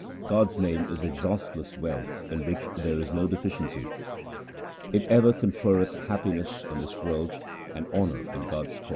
God's name is exhaustless wealth in which there is no deficiency. It ever conferreth happiness in this world and honour in God's court.